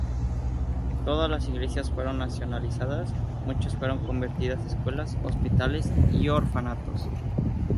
Todas las iglesias fueron nacionalizadas, muchas fueron convertidas a escuelas, hospitales, y orfanatos.